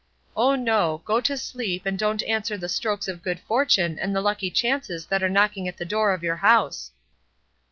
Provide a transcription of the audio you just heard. Oh no! go to sleep, and don't answer the strokes of good fortune and the lucky chances that are knocking at the door of your house!"